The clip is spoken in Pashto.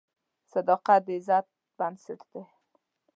صداقت د عزت بنسټ دی.